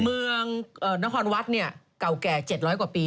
เมืองนครวัดเก่าแก่๗๐๐กว่าปี